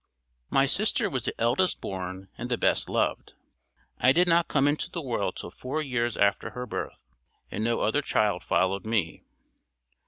My sister was the eldest born and the best loved. I did not come into the world till four years after her birth, and no other child followed me.